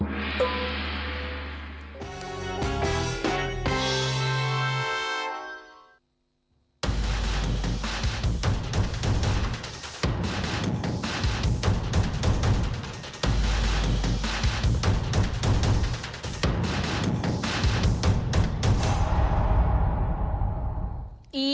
ยินดีต้อนรับทราบ